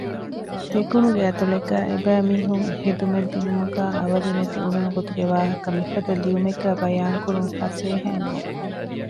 ދެކުނުގެ އަތޮޅެއްގައި އެބައިމީހުން ޚިދުމަތްދިނުމުގައި އަވަދިނެތިއުޅުނު ގޮތުގެ ވާހަކަ މިފަދަ ލިޔުމެއްގައި ބަޔާންކުރުން ފަސޭހައެއް ނޫން